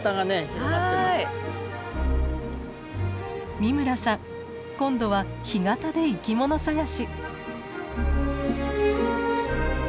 美村さん今度は干潟で生き物探し！